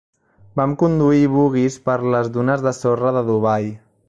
Vam conduir buguis per les dunes de sorra de Dubai.